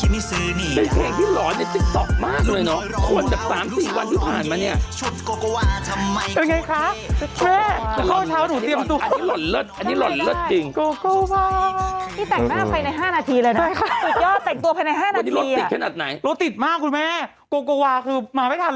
เป็นเพลงที่ร้อนในติ๊กต๊อกมากเลยเนอะ